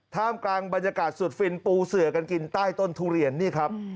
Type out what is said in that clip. ท่ามกลางบรรยากาศสุดฟินปูเสือกันกินใต้ต้นทุเรียนนี่ครับ